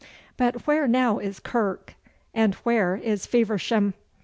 But where now is Kirke and where is Feversham?